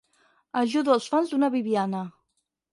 Ajudo els fans d'una Bibiana.